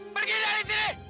pergi dari sini